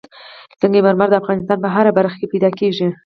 سنگ مرمر د افغانستان په هره برخه کې موندل کېږي.